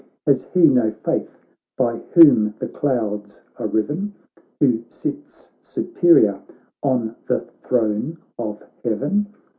Has he no faith by whom the clouds are riven, Who sits superior on the throne of heaven?